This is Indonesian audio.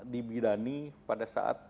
dibidani pada saat